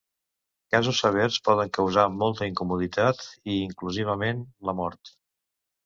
Casos severs poden causar molta incomoditat i inclusivament la mort.